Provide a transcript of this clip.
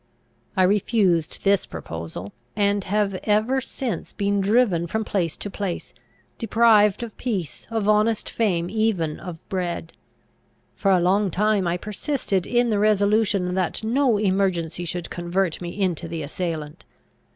I refused this proposal, and have ever since been driven from place to place, deprived of peace, of honest fame, even of bread. For a long time I persisted in the resolution that no emergency should convert me into the assailant.